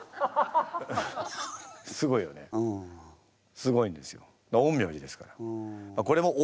すごいんですよ。